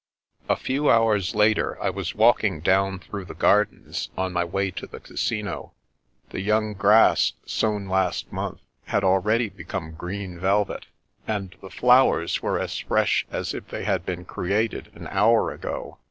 A few hours later, I was walking down through the gardens, on my way to the Casino. The young grass, sown last month, had already become green velvet, and the flowers were as fresh as if they had been created an hour ago.